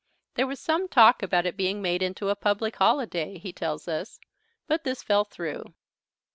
There was some talk about it being made into a public holiday, he tells us, but this fell through.